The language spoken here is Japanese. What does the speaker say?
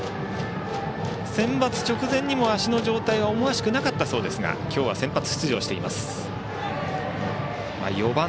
センバツ直前にも足の状態は思わしくなかったようですが今日は先発出場しています。